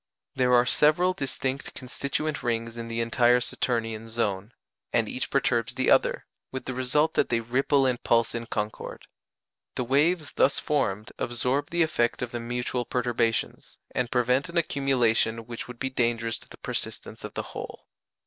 There are several distinct constituent rings in the entire Saturnian zone, and each perturbs the other, with the result that they ripple and pulse in concord. The waves thus formed absorb the effect of the mutual perturbations, and prevent an accumulation which would be dangerous to the persistence of the whole.